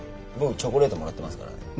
僕チョコレートもらってますからね。